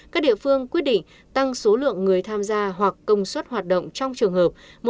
các địa phương quyết định tăng số lượng người tham gia hoặc công suất hoạt động trong trường hợp